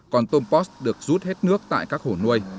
còn tôm post được rút hết nước tại các hồ nuôi